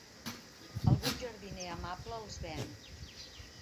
Algun jardiner amable els ven.